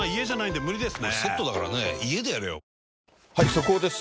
速報です。